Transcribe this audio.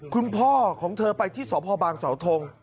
คุณพ่อของเธอไปที่สตบางสถ